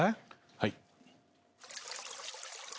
はい。